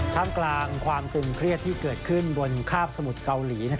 ทำกลางความตื่นเคลียดที่เกิดขึ้นบนคร่าบสมุดเกาหลี